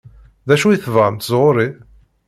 D acu i tebɣamt sɣur-i?